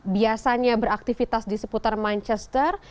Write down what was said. biasanya beraktivitas di seputar manchester